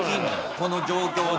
この状況で。